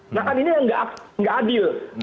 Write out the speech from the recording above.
nah kan ini yang nggak adil